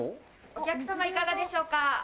お客様いかがでしょうか？